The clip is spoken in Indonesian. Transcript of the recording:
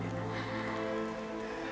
aku udah buka praktek aborsi bu